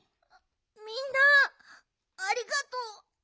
みんなありがとう。